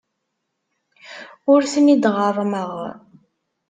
Ur ten-id-ɣerrmeɣ.